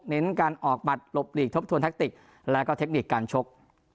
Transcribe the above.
เน้นการออกบัตรหลบหลีกทบทวนแทคติกและก็เทคนิคการชก